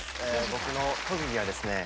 僕の特技はですね